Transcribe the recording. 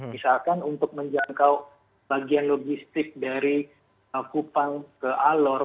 misalkan untuk menjangkau bagian logistik dari kupang ke alor